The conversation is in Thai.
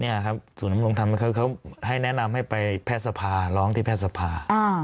ที่สู่นำลงธรรมให้แนะนำให้ไปแพทย์สภาร้องที่แพทย์สภา